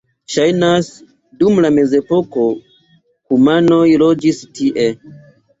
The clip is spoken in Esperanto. Ŝajnas, dum la mezepoko kumanoj loĝis tie.